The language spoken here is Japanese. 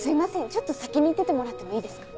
ちょっと先に行っててもらってもいいですか？